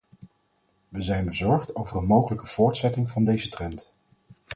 We zijn bezorgd over een mogelijke voortzetting van deze trend.